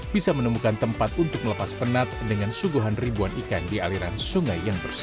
bisa menemukan tempat untuk melepas penat dengan suguhan ribuan ikan di aliran sungai yang bersih